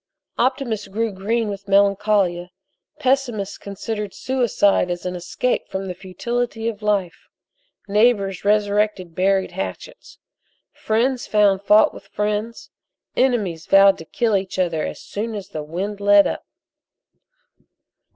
Optimists grew green with melancholia, pessimists considered suicide as an escape from the futility of life, neighbors resurrected buried hatchets. Friends found fault with friends. Enemies vowed to kill each other as soon as the wind let up.